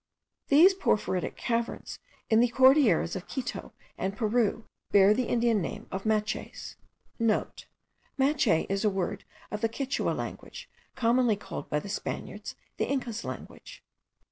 These porphyritic caverns, in the Cordilleras of Quito and Peru, bear the Indian name of Machays.* (* Machay is a word of the Quichua language, commonly called by the Spaniards the Incas' language.